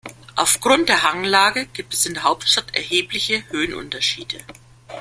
Auf Grund der Hanglage gibt es in der Hauptstadt erhebliche Höhenunterschiede.